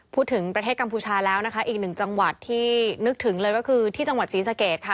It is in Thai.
พูดถึงประเทศกัมพูชาแล้วนะคะอีกหนึ่งจังหวัดที่นึกถึงเลยก็คือที่จังหวัดศรีสะเกดค่ะ